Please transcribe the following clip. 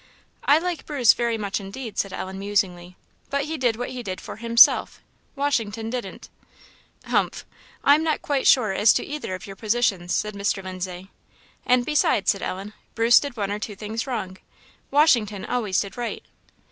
"I like Bruce very much indeed," said Ellen musingly; "but he did what he did for himself Washington didn't." "Humph! I am not quite sure as to either of your positions," said Mr. Lindsay. "And besides," said Ellen, "Bruce did one or two wrong things. Washington always did right."